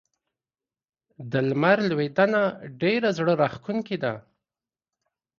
د لمر لوېدنه ډېره زړه راښکونکې ده.